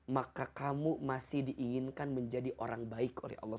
maka kamu masih diinginkan menjadi orang baik oleh allah